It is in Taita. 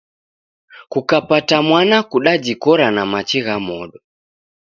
Kukapata mwana kudajikora na machi gha modo